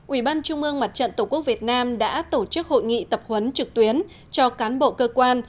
ủy ban trung ương mặt trận tổ quốc việt nam đã tổ chức hội nghị tập huấn trực tuyến cho cán bộ cơ quan